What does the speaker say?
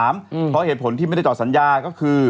เพราะเหตุผลที่ไม่ได้ต่อสัญญาก็คือ